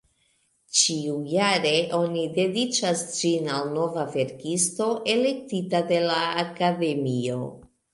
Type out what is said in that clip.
Ĉiujare oni dediĉas ĝin al nova verkisto, elektita de la Akademio.